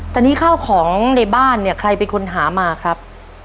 ตอนนี้ข้าวของในบ้านเนี่ยใครเป็นคนหามาครับ